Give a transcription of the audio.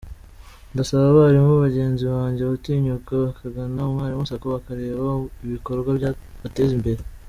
Ndasaba abarimu bagenzi banjye gutinyuka bakagana Umwalimu Sacco bakareba ibikorwa byabateza imbere.